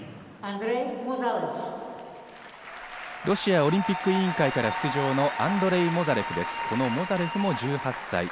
ロシアオリンピック委員会から出場のアンドレイ・モザレフです。